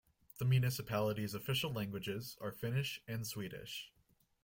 The municipality's official languages are Finnish and Swedish.